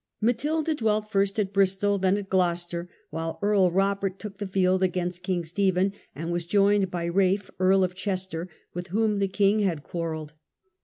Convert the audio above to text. Matilda dwelt first at Bristol, then at Gloucester, while Earl Robert took the field against King Stephen, and was joined by Ralph, Earl of Chester, with whom the king had quarrelled.